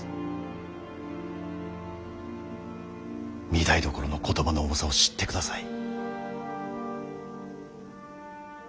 御台所の言葉の重さを知ってください。